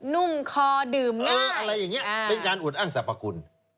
นุ่มคอดื่มงาอะไรอย่างนี้เป็นการอวดอ้างสรรพคุณ